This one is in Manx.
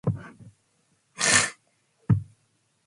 Yn chiarroo ynnyd, ayns y çheet echey gys briwnys.